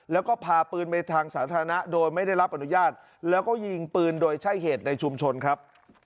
แล้วก็พาปืนไปทางสาธารณะโดยไม่ได้รับอนุญาตแล้วก็ยิงปืนโดยใช้เหตุในชุมชนครับ